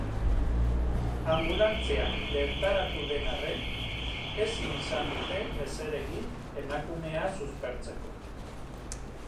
Anbulantzia bertaratu den arren, ezin izan dute ezer egin emakumea suspertzeko.